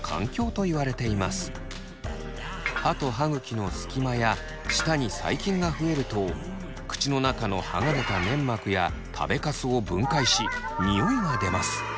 歯と歯ぐきのスキマや舌に細菌が増えると口の中のはがれた粘膜や食べカスを分解しニオイが出ます。